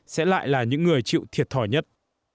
sẽ lại là những người chịu thiệt thòi nhất